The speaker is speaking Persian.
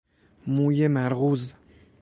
موی مرغوز